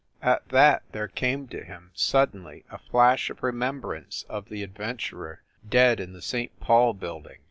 At that there came to him, suddenly, a flash of remembrance of the adventurer, dead in the St. Paul building.